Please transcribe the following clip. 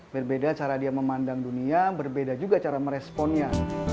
berbeda cara dia memandang dunia berbeda juga cara meresponnya